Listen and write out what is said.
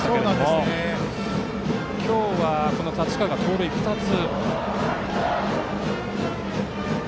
しかし今日は太刀川が盗塁２つ。